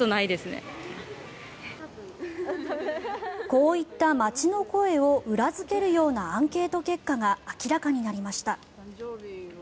こういった街の声を裏付けるようなアンケート結果が明らかになりました。